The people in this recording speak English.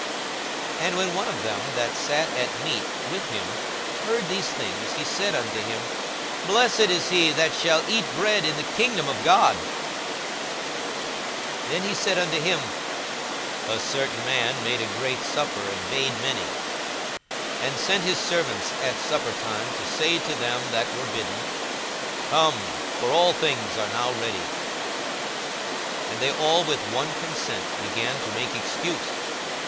42:014:015 And when one of them that sat at meat with him heard these things, he said unto him, Blessed is he that shall eat bread in the kingdom of God. 42:014:016 Then said he unto him, A certain man made a great supper, and bade many: 42:014:017 And sent his servant at supper time to say to them that were bidden, Come; for all things are now ready. 42:014:018 And they all with one consent began to make excuse.